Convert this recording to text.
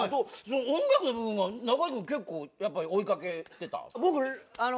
音楽の部分は中居君結構やっぱり追い掛けてた？